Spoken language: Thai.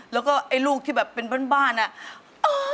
แล้วก็ไอ้ลูกที่แบบเป็นบ้านอ่ะ